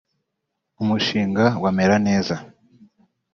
“ Mu mushinga wa Meraneza